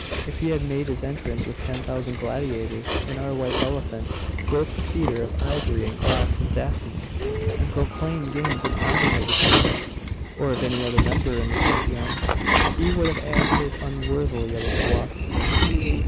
If he had made his entrance with ten thousand gladiators, and our white elephant, built a theatre of ivory and glass in Daphne, and proclaimed games in honour of the Sun, or of any other member of the Pantheon ' 'He would have acted unworthily of a philosopher.